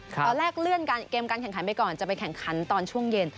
ตอนแรกเลื่อนเกมการแข่งขันไปก่อนจะไปแข่งขันตอนช่วงเย็น